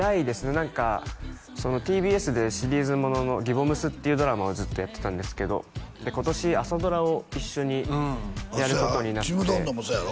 何かＴＢＳでシリーズものの「ぎぼむす」っていうドラマをずっとやってたんですけどで今年朝ドラを一緒にやることになって「ちむどんどん」もそやろ？